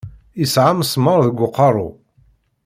Isɛa amesmaṛ deg uqeṛṛu.